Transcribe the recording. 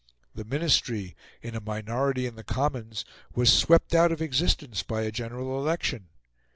The Ministry, in a minority in the Commons, was swept out of existence by a general election.